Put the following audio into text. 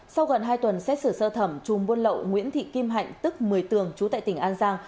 sau gần hai tuần xét xử sơ thẩm chùm buôn lậu nguyễn thị kim hạnh tức một mươi tường chú tại tỉnh an giang